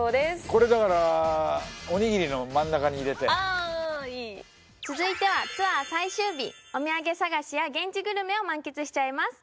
これだからあいい続いてはツアー最終日お土産探しや現地グルメを満喫しちゃいます